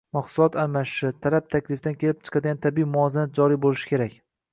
Mahsulot almashishi, talab-taklifdan kelib chiqadigan tabiiy muvozanat joriy bo‘lishi kerak.